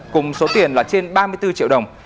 cùng số tiền là trên ba mươi bốn triệu đồng